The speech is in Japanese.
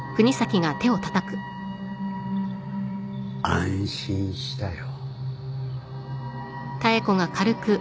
安心したよ。